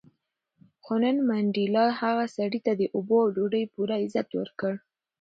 خو نن منډېلا هغه سړي ته د اوبو او ډوډۍ پوره عزت ورکړ.